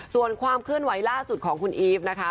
ส่วนความเคลื่อนไหวล่าสุดของคุณอีฟนะคะ